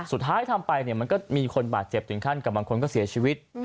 สุดท้ายทำไปมันก็มีคนบาดเจ็บถึงขั้นกับบางคนก็เสียชีวิต